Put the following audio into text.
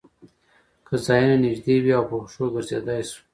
که ځایونه نږدې وي او په پښو ګرځېدای شو.